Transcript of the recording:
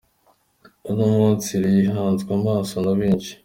Uyu munsi Rayon Sports ihanzwe amaso na benshi.